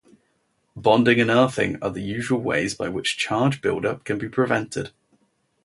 Bonding and earthing are the usual ways by which charge buildup can be prevented.